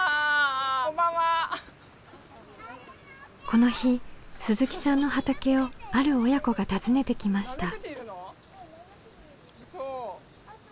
この日鈴木さんの畑をある親子が訪ねてきました。